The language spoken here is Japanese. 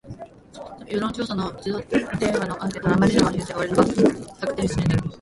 世論調査の自動電話アンケート音声があまりにも品質悪いのだが、確認とかしていないのか